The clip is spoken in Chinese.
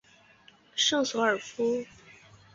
圣索尔夫。